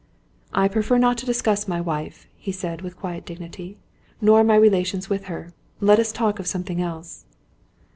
"I prefer not to discuss my wife," he said, with quiet dignity; "nor my relations with her. Let us talk of something else."